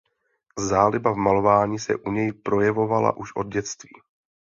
Záliba v malování se u něj projevovala už od dětství.